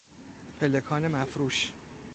پلکان مفروش